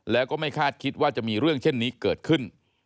แล้วก็ไม่คาดคิดว่าจะมีเรื่องเช่นนี้เกิดขึ้น